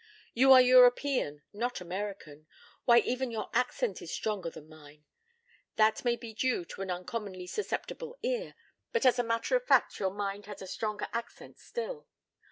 You are European, not American why, even your accent is stronger than mine! That may be due to an uncommonly susceptible ear, but as a matter of fact your mind has a stronger accent still.